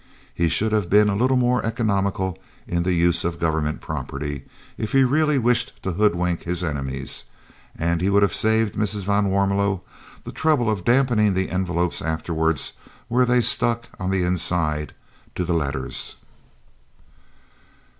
He should have been a little more economical in the use of Government property if he really wished to hoodwink his enemies, and he would have saved Mrs. van Warmelo the trouble of damping the envelopes afterwards where they stuck, on the inside, to the letters.